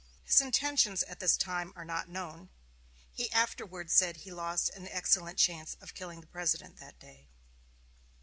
His intentions at this time are not known; he afterward said he lost an excellent chance of killing the President that day.